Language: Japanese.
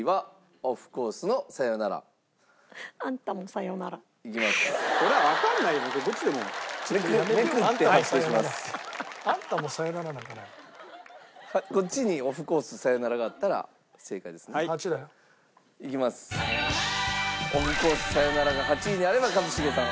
オフコース『さよなら』が８位にあれば一茂さん